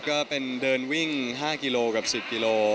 ก็เป็นเดินวิ่ง๕กิโลกับ๑๐กิโล